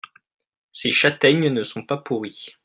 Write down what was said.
Ces châtaignes ne sont pas pourries.